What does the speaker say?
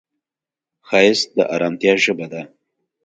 ښایست د ارامتیا ژبه ده